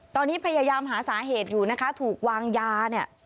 ตอนนี้พยายามหาสาเหตุอยู่นะคะถูกวางยาเนี่ย